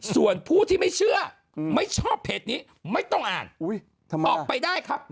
ส่วนผู้ที่ไม่เชื่อไม่ชอบเพจนี้ไม่ต้องอ่านออกไปได้ครับ